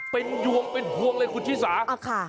เป็นยวงเป็นหวังเลยคุณชีสหา